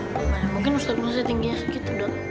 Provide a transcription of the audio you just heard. mungkin ustadz musa tingginya segitu dong